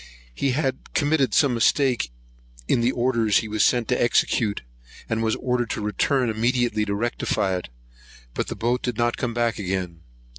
He had committed some mistake in the orders he was sent to execute, and was ordered to return immediately to rectify it; but the boat did not come back again.